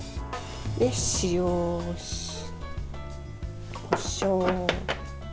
塩、こしょう。